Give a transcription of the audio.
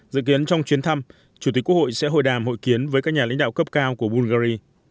dự kiến trong chuyến thăm chủ tịch quốc hội sẽ hội đàm hội kiến với các nhà lãnh đạo cấp cao của bungary